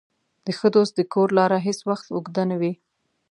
د ښه دوست د کور لاره هېڅ وخت اوږده نه وي.